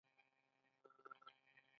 خوشحال خان ولې تورزن و؟